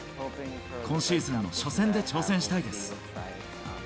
今シーズンの初戦で挑戦したいです。